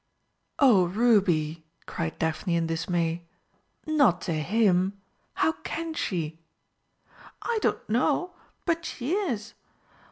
"Oh, Ruby!" cried Daphne in dismay. "Not to him! How can she?" "I don't know but she is.